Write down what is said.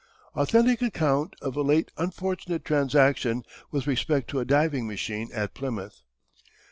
_Authentic account of a late unfortunate transaction, with respect to a diving machine at Plymouth.